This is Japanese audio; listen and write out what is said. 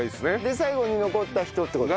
で最後に残った人って事。